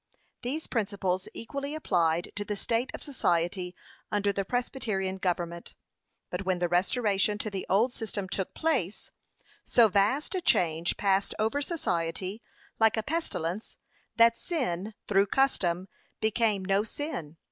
These principles equally applied to the state of society under the Presbyterian government: but when the restoration to the old system took place, so vast a change passed over society, like a pestilence, 'that sin, through custom, became no sin.